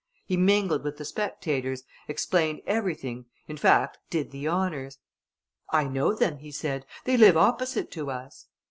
He mingled with the spectators, explained everything, in fact did the honours. "I know them," he said, "they live opposite to us."